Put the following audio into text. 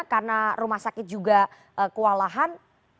karena rumah sakit juga kewalahan